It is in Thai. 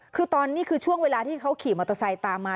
คือตอนนี้คือช่วงเวลาที่เขาขี่มอเตอร์ไซค์ตามมา